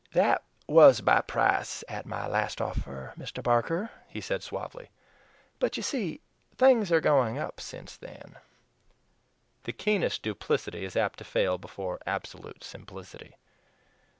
"Ah, that was my price at my last offer, Mr. Barker," he said suavely; "but, you see, things are going up since then." The keenest duplicity is apt to fail before absolute simplicity.